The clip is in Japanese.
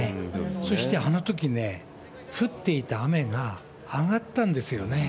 そして、あのときね、降っていた雨が上がったんですよね。